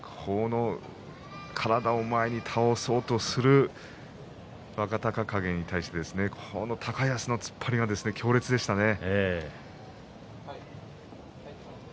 体を前に倒そうとする若隆景に対して高安の突っ張りが強烈でしたね。